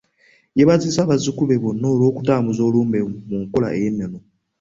Yeebazizza bazzukulu be bano olw'okutambuza olumbe mu nkola ey'ennono.